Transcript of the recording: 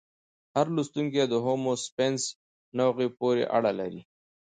هر لوستونکی د هومو سیپینز نوعې پورې اړه لري.